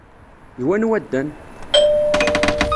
D wanwa ddan?